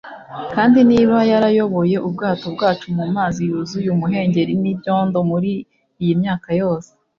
Kandi niba yarayoboye ubwato bwacu mu mazi yuzuye umuhengeri n’ibyondo muri iy’imyaka yose